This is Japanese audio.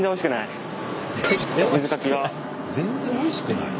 全然おいしくない。